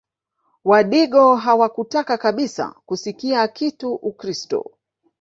Wadigo hawakutaka kabisa kusikia kitu Ukristo